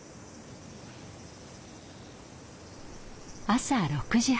朝６時半。